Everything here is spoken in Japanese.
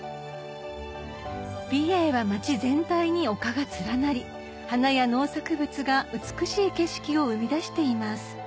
美瑛は町全体に丘が連なり花や農作物が美しい景色を生み出しています